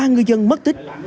một mươi ba người dân mất tích